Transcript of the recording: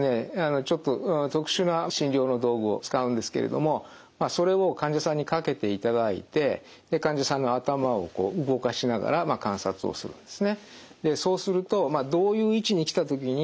ちょっと特殊な診療の道具を使うんですけれどもそれを患者さんにかけていただいてで患者さんの頭を動かしながら観察をするんですね。